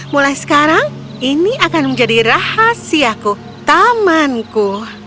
mulai sekarang ini akan menjadi rahasiaku tamanku